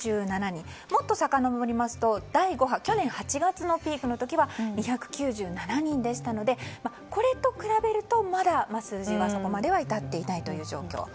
もっとさかのぼりますと第５波、去年８月のピークの時は２９７人でしたのでこれと比べるとまだ数字はそこまでは至っていないという状況。